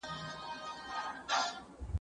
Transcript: لاس مينځه!